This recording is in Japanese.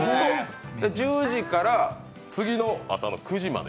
１０時から次の朝の９時まで。